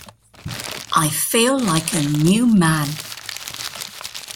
I feel like a new man.